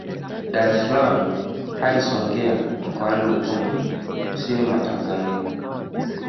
Dar es salaam hadi Songea Mkoani Ruvuma Kusini mwa Tanzania